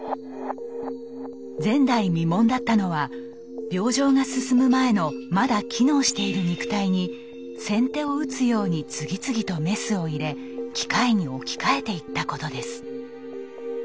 前代未聞だったのは病状が進む前のまだ機能している肉体に先手を打つように次々とメスを入れ機械に置き換えていったことです。